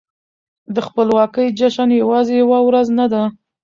د خپلواکۍ جشن يوازې يوه ورځ نه ده.